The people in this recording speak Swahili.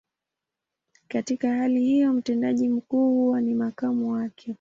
Katika hali hiyo, mtendaji mkuu huwa ni makamu wake.